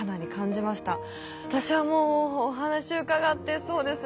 私はもうお話を伺ってそうですね